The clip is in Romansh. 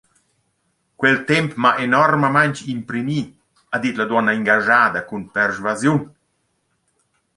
«Quel temp m’ha enormamaing imprimi», ha dit la duonna ingaschada cun persvasiun.